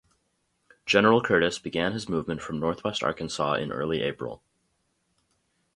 General Curtis began his movement from northwest Arkansas in early April.